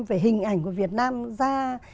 về hình ảnh của việt nam ra